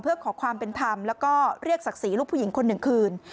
เพื่อขอความเป็นธรรมแล้วก็เรียกศักดิ์ศรีลูกผู้หญิงคนหนึ่งคืน